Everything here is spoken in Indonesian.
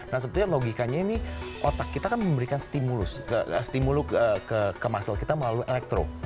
nah sebetulnya logikanya ini otak kita kan memberikan stimulus ke muscle kita melalui elektro